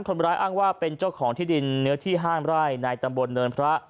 คนร้ายอ้างว่าเป็นเจ้าของที่ดินเนื้อที่ห้ามไร่ในตำบลเนินพระ